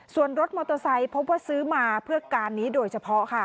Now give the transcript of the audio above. ส่วนรถมอเตอร์ไซค์พบว่าซื้อมาเพื่อการนี้โดยเฉพาะค่ะ